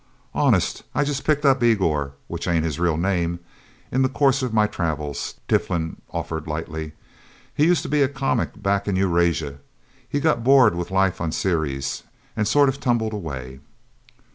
"Honest I just picked up Igor which ain't his real name in the course of my travels," Tiflin offered lightly. "He used to be a comic back in Eurasia. He got bored with life on Ceres, and sort of tumbled away."